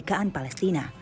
dan kemerdekaan palestina